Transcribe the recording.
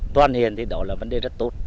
đoàn hiền thì đó là vấn đề rất tốt